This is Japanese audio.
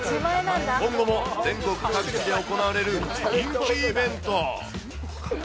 今後も全国各地で行われる人気イベント。